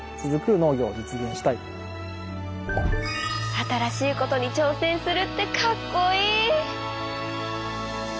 新しいことに挑戦するってかっこいい！